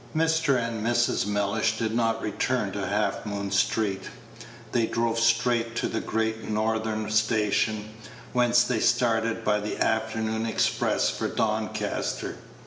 Mr. and Mrs. Mellish did not return to Half Moon street; they drove straight to the Great Northern Station, whence they started by the afternoon express for Doncaster.